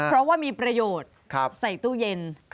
เพราะว่ามีประโยชน์ใส่ตู้เย็น